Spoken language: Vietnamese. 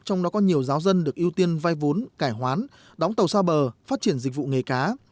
trong đó có nhiều giáo dân được ưu tiên vai vốn cải hoán đóng tàu xa bờ phát triển dịch vụ nghề cá